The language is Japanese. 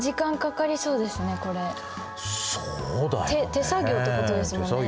手作業ってことですもんね。